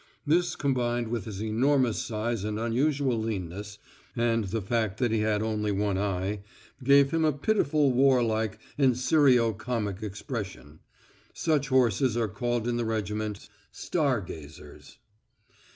This, combined with his enormous size and unusual leanness, and the fact that he had only one eye, gave him a pitiful war like and serio comic expression. Such horses are called in the regiments "star gazers."